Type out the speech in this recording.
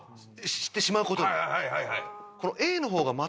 知ってしまうことで。